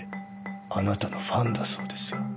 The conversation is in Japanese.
あなたのファンだそうですよ。